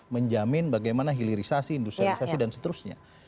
menjamin bagaimana hilirisasi industrialisasi dan seterusnya